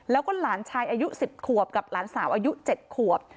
แล้วก็หลานชายอายุ๑๐ขวบกับหลานสาวอายุ๗ขวบ